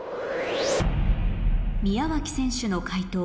宮脇選手の解答